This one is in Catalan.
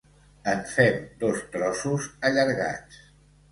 En fem dos trossos allargats.